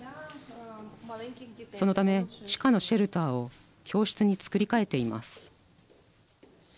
そのため、地下のシェルターを教室に作り替えています。